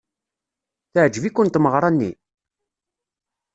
Teɛjeb-iken tmeɣra-nni?